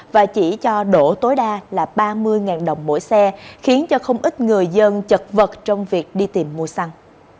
và chỉ cho đổ tối đa là ba mươi đồng mỗi xe khiến cho không ít người dân chật vật trong việc đi tìm mua xăng